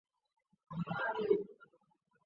马甲经常和燕尾服等正装一并穿着。